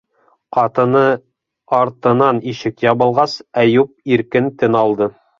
Ҡатыны артынан ишек ябылғас, Әйүп иркен тын алды.